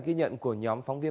ghi nhận của nhóm phóng viên